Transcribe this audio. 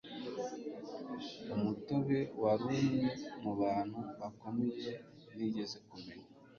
umutobe wari umwe mu bantu bakomeye nigeze kumenya